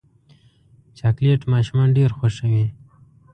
چاکلېټ ماشومان ډېر خوښوي.